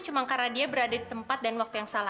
bukankah itu bisa